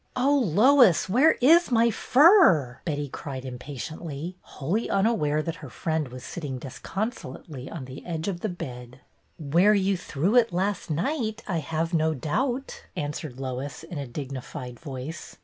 '' Oh, Lois, where is my fur ?" Betty cried impatiently, wholly unaware that her friend was sitting disconsolately on the edge of the bed.. MISS MINTURNE 273 Where you threw it last night, I have no doubt," answered Lois, in a dignified voice.